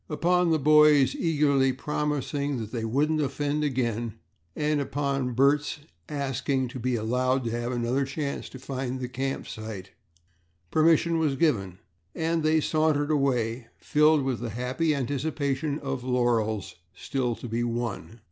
Upon the boys eagerly promising that they wouldn't offend again and upon Bert's asking to be allowed to have another chance to find the camp site, permission was given and they sauntered away, filled with the happy anticipation of laurels still to be won.